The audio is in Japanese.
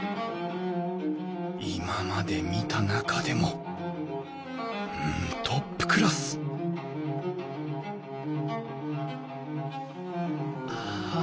今まで見た中でもうんトップクラスああ